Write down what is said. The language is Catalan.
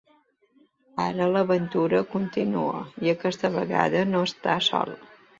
Ara l'aventura continua i aquesta vegada no està sol.